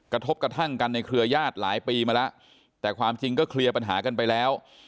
กระทบกระทั่งกันในเครือญาติหลายปีมาแล้วแต่ความจริงก็เคลียร์ปัญหากันไปแล้ว